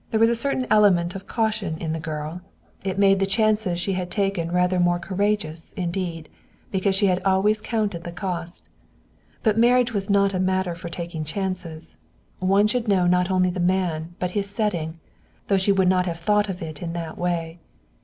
There was a certain element of caution in the girl. It made the chances she had taken rather more courageous, indeed, because she had always counted the cost. But marriage was not a matter for taking chances. One should know not only the man, but his setting, though she would not have thought of it in that way.